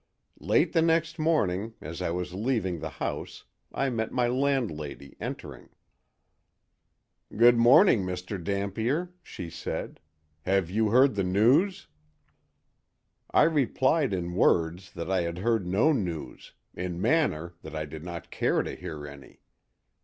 "Late the next morning, as I was leaving the house, I met my landlady, entering. "'Good morning, Mr. Dampier,' she said. 'Have you heard the news?' "I replied in words that I had heard no news; in manner, that I did not care to hear any.